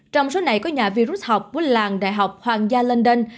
trong số này có nhà vi rút học của làng đại học hoàng gia london